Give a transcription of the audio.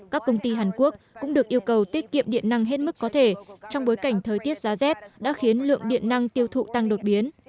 các công ty hàn quốc cũng được yêu cầu tiết kiệm điện năng hết mức có thể trong bối cảnh thời tiết giá rét đã khiến lượng điện năng tiêu thụ tăng đột biến